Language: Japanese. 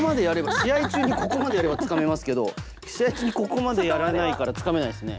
試合中にここまでやれば掴めますけど試合中にここまでやらないから掴めないですね。